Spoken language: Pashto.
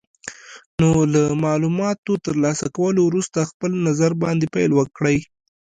نو له مالوماتو تر لاسه کولو وروسته خپل نظر باندې پیل وکړئ.